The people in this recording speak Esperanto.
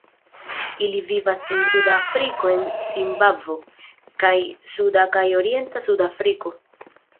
Ili vivas en Suda Afriko en Zimbabvo kaj suda kaj orienta Sudafriko.